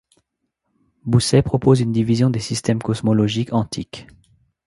Bousset propose une division des systèmes cosmologiques antiques.